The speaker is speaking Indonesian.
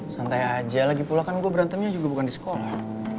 santai aja lagi pula kan gue berantemnya juga bukan di sekolah